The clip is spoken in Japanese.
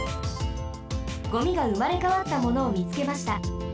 ゴミがうまれかわったものをみつけました。